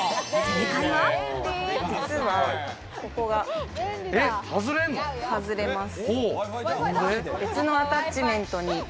実はここが外れます。